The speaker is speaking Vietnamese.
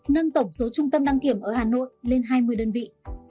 nâng tổng số trung tâm đăng kiểm ở hà nội lên hai mươi đơn vị